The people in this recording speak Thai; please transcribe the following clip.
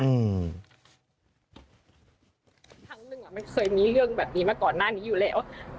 ครั้งหนึ่งไม่เคยมีเรื่องแบบนี้มาก่อนหน้านี้อยู่แล้ว